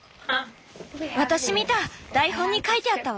私見た！